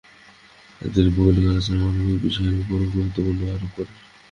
তিনি ভৌগোলিক আলোচনায় মানবিক বিষয়ের উপর গুরুত্ব আরোপ করেন।